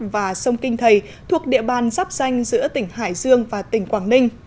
và sông kinh thầy thuộc địa bàn giáp danh giữa tỉnh hải dương và tỉnh quảng ninh